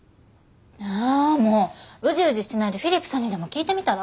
あもううじうじしてないでフィリップさんにでも聞いてみたら？